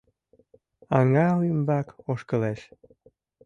Аҥа ӱмбак ошкылеш.